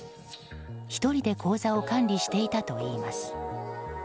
１人で口座を管理していたといいます。